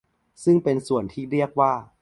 ซึ่งเป็นส่วนที่เรียกว่า